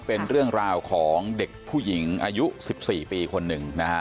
เป็นเรื่องราวของเด็กผู้หญิงอายุ๑๔ปีคนหนึ่งนะฮะ